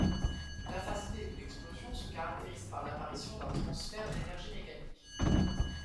La phase B de l'explosion se caractérise par l'apparition d'un transfert d'énergie mécanique.